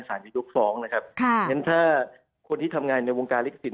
ศาลประยุกต์๒นะครับอย่างนั้นถ้าคนที่ทำงานในวงการลิขสิทธิ์